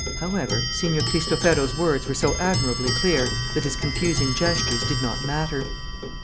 However, Signor Cristofero's words were so admirably clear that his confusing gestures did not matter.